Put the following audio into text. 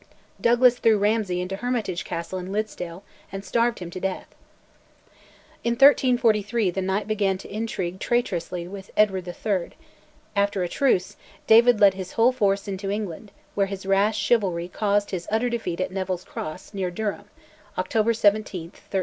Douglas threw Ramsay into Hermitage Castle in Liddesdale and starved him to death. In 1343 the Knight began to intrigue traitorously with Edward III.; after a truce, David led his whole force into England, where his rash chivalry caused his utter defeat at Neville's Cross, near Durham (October 17, 1346).